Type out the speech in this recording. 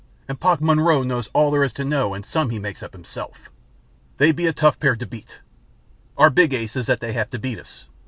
And Pop Monroe knows all there is to know and some he makes up himself. They'd be a tough pair to beat. Our big ace is that they have to beat us.